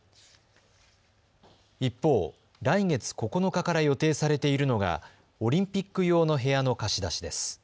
一方、来月９日から予定されているのがオリンピック用の部屋の貸し出しです。